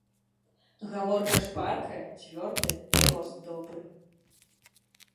Гаворка шпаркая, цвёрдая і рост добры.